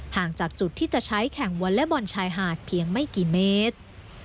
ห่างจากจุดที่จะใช้แข่งวอเล็กบอลชายหาดเพียงไม่กี่เมตร